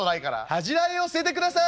「恥じらいを捨ててください」。